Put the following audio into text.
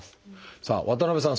さあ渡辺さん